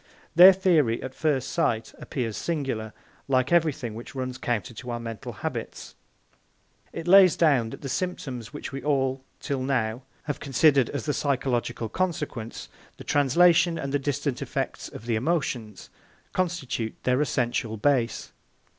Their theory, at first sight, appears singular, like everything which runs counter to our mental habits. It lays down that the symptoms which we all till now have considered as the physiological consequence, the translation, and the distant effects of the emotions, constitute their essential base.